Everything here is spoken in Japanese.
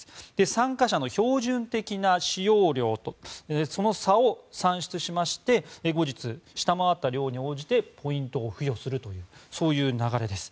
参加者の標準的な使用量とその差を算出しまして後日、下回った量に応じてポイントを付与するというそういう流れです。